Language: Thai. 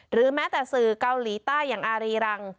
หรือแม้แต่สื่อเกาหลีใต้อย่างอารีรัง